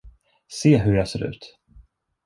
Se hur jag ser ut!